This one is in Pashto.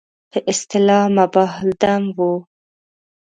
په اصطلاح مباح الدم وو.